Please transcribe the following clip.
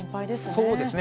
そうですね。